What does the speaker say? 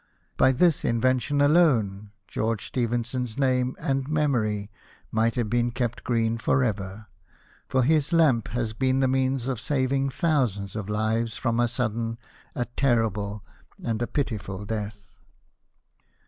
By this invention alone George Stephenson's name and memory might have been kept green for ever ; for his lamp has been the means of saving thousands of lives from a sudden, a terrible, and a pitiful death.